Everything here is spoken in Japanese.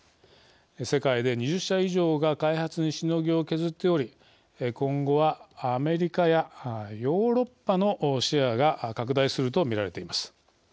世界で２０社以上が開発にしのぎを削っており今後は、アメリカやヨーロッパのシェアが拡大すると見られています。